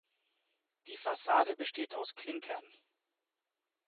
Die Fassade besteht aus Klinkern.